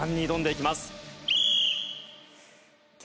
いきます。